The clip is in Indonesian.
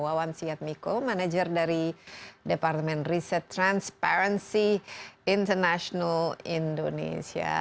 wawan syiatmiko manajer dari departemen riset transparency international indonesia